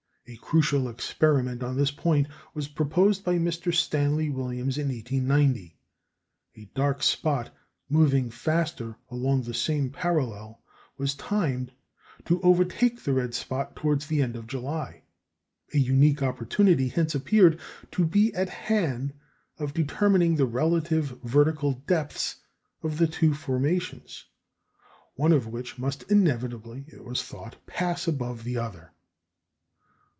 " A crucial experiment on this point was proposed by Mr. Stanley Williams in 1890. A dark spot moving faster along the same parallel was timed to overtake the red spot towards the end of July. A unique opportunity hence appeared to be at hand of determining the relative vertical depths of the two formations, one of which must inevitably, it was thought, pass above the other.